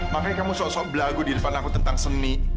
makanya kamu sosok berlagu di depan aku tentang seni